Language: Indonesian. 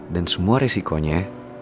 dan semua resikonya